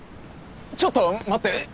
ちょっと待って！